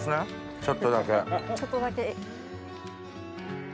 ちょっとだけ。